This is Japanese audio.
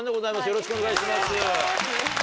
よろしくお願いします。